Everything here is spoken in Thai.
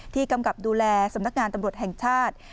กำกับดูแลสำนักงานตำรวจแห่งชาติ